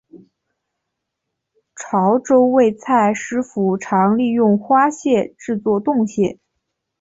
潮洲味菜师傅常利用花蟹制作冻蟹。